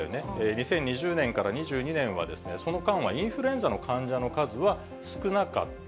２０２０年から２２年は、その間はインフルエンザの患者の数は少なかった。